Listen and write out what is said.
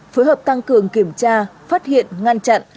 phối hợp tăng cường kiểm tra phát hiện ngăn chặn